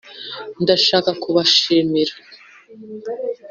ndashaka kubashimira